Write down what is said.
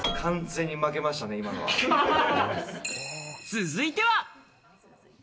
続いては。